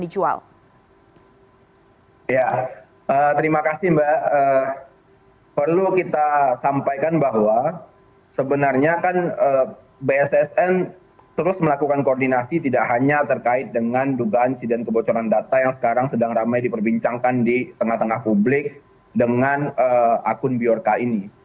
ini merupakan data kementerian sosial yang bocorkan